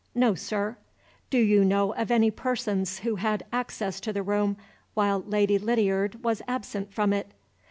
"No, sir." "Do you know of any persons who had access to the room while Lady Lydiard was absent from it?"